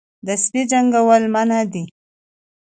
د سپي جنګول منع دي